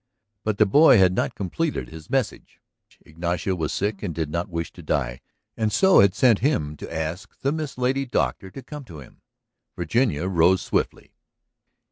But the boy had not completed his message. Ignacio was sick and did not wish to die, and so had sent him to ask the Miss Lady Doctor to come to him. Virginia rose swiftly.